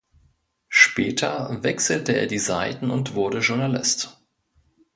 Später wechselte er die Seiten und wurde Journalist.